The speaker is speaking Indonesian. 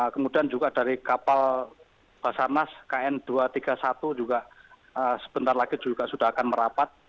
kemudian juga dari kapal basarnas kn dua ratus tiga puluh satu juga sebentar lagi juga sudah akan merapat